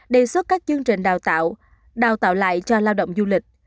đề xuất các chương trình đào tạo đào tạo lại cho lao động du lịch